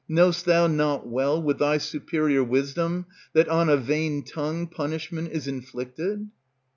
Know'st thou not well, with thy superior wisdom, that On a vain tongue punishment is inflicted?